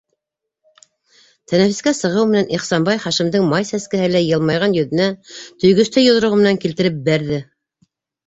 Тәнәфескә сығыу менән Ихсанбай Хашимдың май сәскәһеләй йылмайған йөҙөнә төйгөстәй йоҙроғо менән килтереп бәрҙе.